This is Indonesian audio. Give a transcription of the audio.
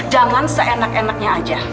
jangan seenak enaknya aja